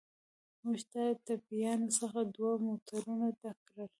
موږ له ټپیانو څخه دوه موټرونه ډک کړل.